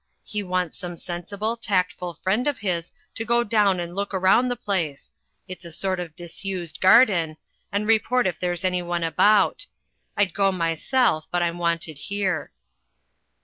He wants some sensible, tactful friend of his to go down and look round the place — it's a sort of disused garden — and report if there's anyone about. I'd go myself, but I'm wanted here."